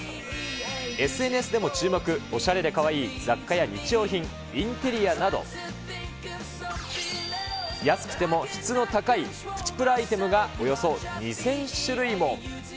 ＳＮＳでも注目、おしゃれでかわいい雑貨や日用品、インテリアなど、安くても質の高いプチプラアイテムがおよそ２０００種類も。